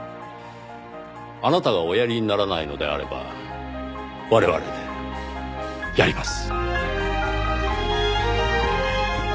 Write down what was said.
あなたがおやりにならないのであれば我々でやります。